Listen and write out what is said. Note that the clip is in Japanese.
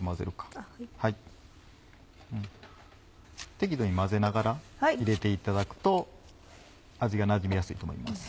適度に混ぜながら入れていただくと味がなじみやすいと思います。